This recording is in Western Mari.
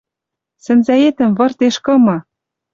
«Сӹнзӓэтӹм выртеш кымы...» —